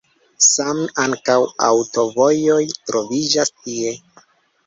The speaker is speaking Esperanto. Same ankaŭ aŭtovojoj troviĝas tie.